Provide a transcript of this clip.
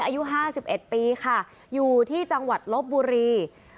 อายุห้าสิบเอ็ดปีค่ะอยู่ที่จังหวัดลบบุรี